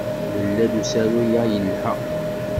Yella-d usaru-a yelha.